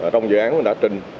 trong dự án đã trình